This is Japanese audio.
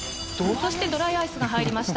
そしてドライアイスが入りました